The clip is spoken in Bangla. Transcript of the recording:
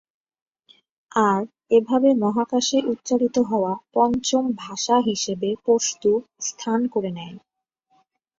আর এভাবে মহাকাশে উচ্চারিত হওয়া পঞ্চম ভাষা হিসেবে পশতু স্থান করে নেয়।